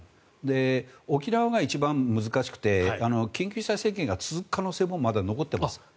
沖縄が一番難しくて緊急事態宣言が続く可能性もまだ残っています。